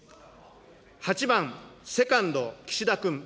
８番セカンド、岸田君。